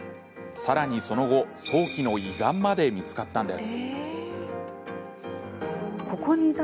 さらにその後、早期の胃がんまで見つかったんです。